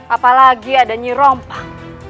apalagi ada nyerompak